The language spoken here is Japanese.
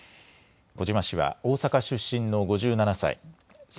小島氏は大阪出身の５７歳。